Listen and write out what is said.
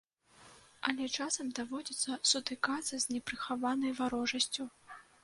Але часам даводзіцца сутыкацца з непрыхаванай варожасцю.